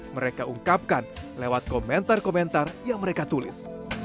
mereka ungkapkan lewat komentar komentar yang mereka tulis